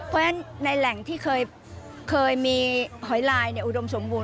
เพราะฉะนั้นในแหล่งที่เคยมีหอยลายอุดมสมบูรณ